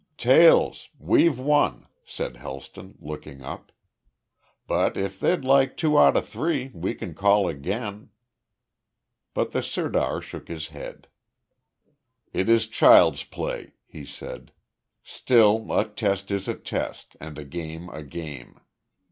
"`Tails.' We've won," said Helston, looking up. "But if they'd like two out of three, we can call again." But the sirdar shook his head. "It is child's play," he said. "Still a test is a test and a game a game.